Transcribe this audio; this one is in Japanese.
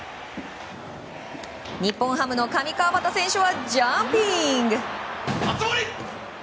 日本ハムの上川畑選手はジャンピング！